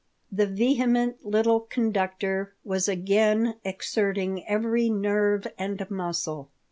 The vehement little conductor was again exerting every nerve and muscle.